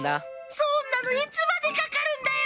そんなのいつまでかかるんだよ。